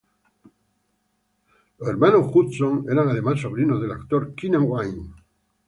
Los hermanos Hudson eran además sobrinos del actor Keenan Wynn.